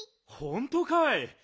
ほんとうかい？